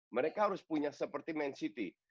mereka harus punya seperti man city